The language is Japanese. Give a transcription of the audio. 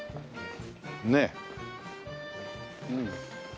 ねえ。